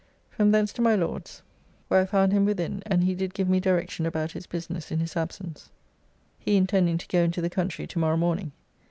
From thence to my Lord's, where I found him within, and he did give me direction about his business in his absence, he intending to go into the country to morrow morning.